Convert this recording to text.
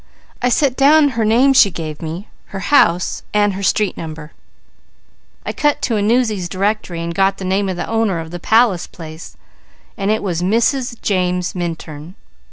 I set down her name she gave me, and her house and street number. I cut to a Newsies' directory and got the name of the owner of the palace place and it was Mrs. James Minturn.